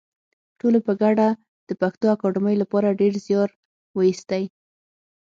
ټولو په ګډه د پښتو اکاډمۍ لپاره ډېر زیار وایستی